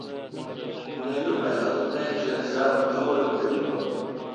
نل م اتوں میش تہ اسلام اے°اوّلک خلیفہ